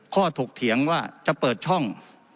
ถกเถียงว่าจะเปิดช่อง